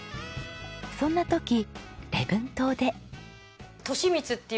そんな時礼文島で。